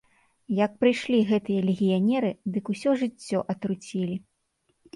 Як прыйшлі гэтыя легіянеры, дык усё жыццё атруцілі.